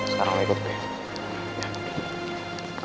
sekarang gue ikut gue